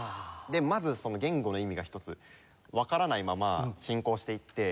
まずその言語の意味が一つわからないまま進行していって。